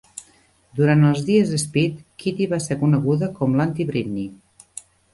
Durant els dies "Spit", Kittie va ser coneguda com a l'"anti-Britney".